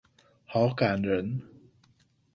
好感人